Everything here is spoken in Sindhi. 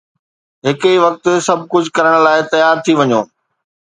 هڪ ئي وقت سڀ ڪجهه ڪرڻ لاءِ تيار ٿي وڃو